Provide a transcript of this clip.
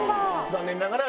残念ながら。